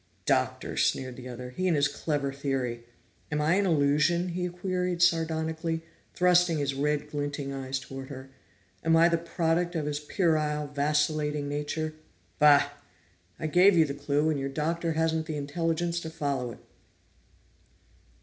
"Doctor!" sneered the other. "He and his clever theory! Am I an illusion?" he queried sardonically, thrusting his red glinting eyes toward her. "Am I the product of his puerile, vacillating nature? Bah! I gave you the clue, and your Doctor hasn't the intelligence to follow it!"